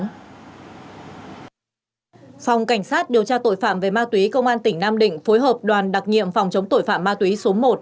phòng cảnh sát điều tra tội phạm về ma túy công an tỉnh nam định phối hợp đoàn đặc nhiệm phòng chống tội phạm ma túy số một